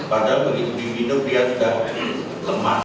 padahal begitu dipinum dia sudah lemah